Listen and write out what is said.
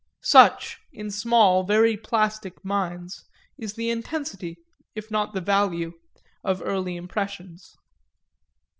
Such, in small very plastic minds, is the intensity, if not the value, of early impressions.